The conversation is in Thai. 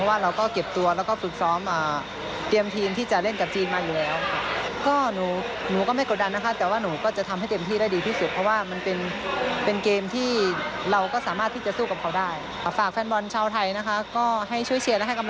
สาวไทยก็ให้ช่วยเชียร์และให้กำไรใจพวกเราด้วย